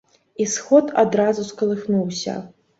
І сход адразу скалыхнуўся.